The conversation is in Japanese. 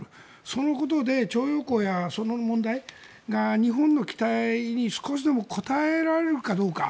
そのことで徴用工やその問題が日本の期待に少しでも応えられるかどうか。